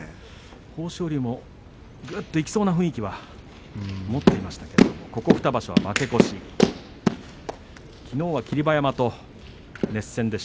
豊昇龍もいきそうな雰囲気は持っていましたけれどこの２場所は負け越しです。